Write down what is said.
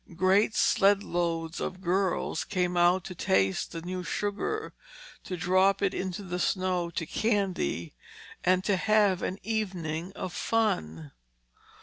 Great sled loads of girls came out to taste the new sugar, to drop it into the snow to candy, and to have an evening of fun.